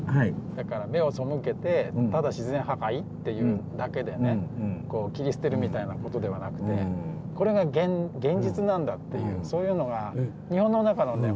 だから目を背けてただ自然破壊っていうだけでね切り捨てるみたいなことではなくてこれが現実なんだっていうそういうのが日本の中のね